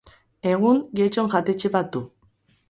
Egun Getxon jatetxe bat du.